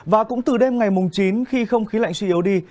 và cũng từ đêm ngày chín khi không khí lạnh suy yếu đi